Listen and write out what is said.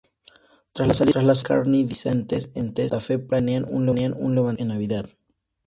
Tras la salida de Kearny, disidentes en Santa Fe planean un levantamiento en Navidad.